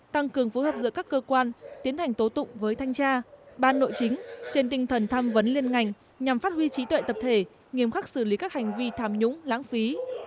tăng cường phối hợp giữa các cơ quan tiến hành tố tụng với thanh tra ban nội chính trên tinh thần tham vấn liên ngành nhằm phát huy trí tuệ tập thể nghiêm khắc xử lý các hành vi tham nhũng lãng phí